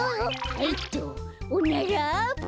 はいっとおなら。